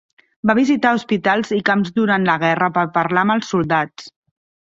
Va visitar hospitals i camps durant la guerra per parlar amb els soldats.